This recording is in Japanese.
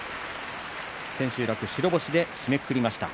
千秋楽白星で締めくくりました。